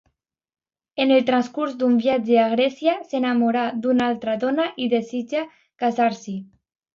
En el transcurs d'un viatge a Grècia, s’enamora d'una altra dona i desitja casar-s’hi.